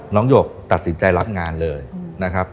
หยกตัดสินใจรับงานเลยนะครับ